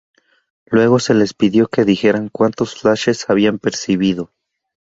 Luego se les pidió que dijeran cuántos flashes habían percibido.